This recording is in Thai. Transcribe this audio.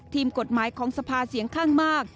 ทีมกฎหมายของสภาเสียงข้างมาก